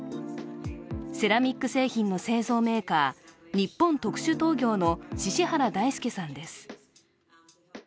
セラミック製品の製造メーカー日本特殊陶業の獅子原大介さんです。